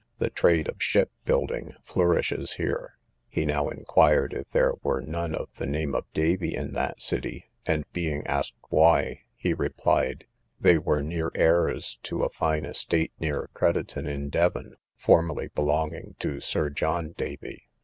The trade of ship building flourishes here. He now inquired if there were none of the name of Davy in that city; and being asked why, he replied, they were near heirs to a fine estate near Crediton in Devon, formerly belonging to Sir John Davy.